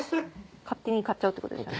勝手に買っちゃうってことですね。